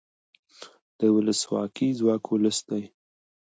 د ولسواکۍ ځواک ولس دی